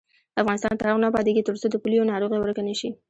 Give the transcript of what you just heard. افغانستان تر هغو نه ابادیږي، ترڅو د پولیو ناروغي ورکه نشي.